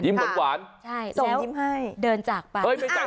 ส่งยิ้มให้